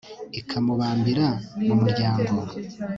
ikamubambira mu muryango